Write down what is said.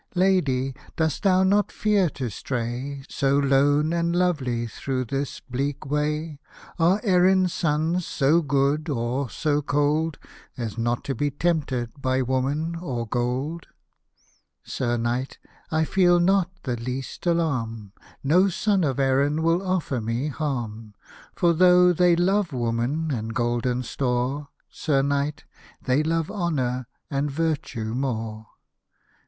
'' Lady ! dost thou not fear to stray, " So lone and lovely through this bleak way ?" Are Erin's sons so good or so cold, " As not to be tempted by woman or gold ?"" Sir Knight ! I feel not the least alarm, " No son of Erin will offer me harm :—" For though they love woman and golden store, " Sir Knight ! they love honour and virtue more